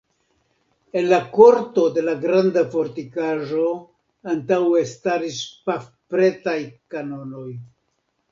En la korto de la granda fortikaĵo antaŭe staris pafpretaj kanonoj.